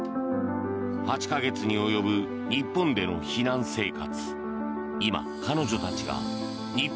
８か月に及ぶ日本での避難生活。